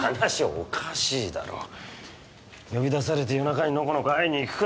おかしいだろ呼び出されて夜中にノコノコ会いにいくか？